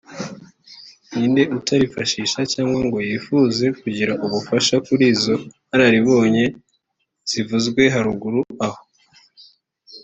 ni nde utarifashisha cyangwa ngo yifuze kugira ubufasha kuri izo nararibonye zivuzwe haruguru aho